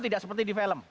tidak seperti di film